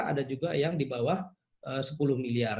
ada juga yang di bawah sepuluh miliar